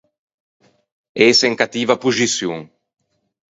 Ëse in cattiva poxiçion.